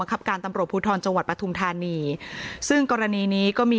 ทางพันตำรวจเอกเติมเผ่าผู้กำกับสวพทประชุม